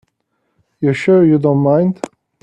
You're sure you don't mind?